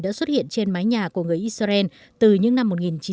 đã xuất hiện trên mái nhà của người israel từ những năm một nghìn chín trăm bảy mươi